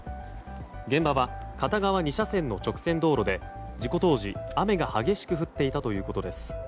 現場は、片側２車線の直線道路で事故当時、雨が激しく降っていたということです。